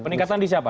peningkatan di siapa